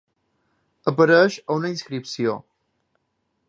Apareix a una inscripció.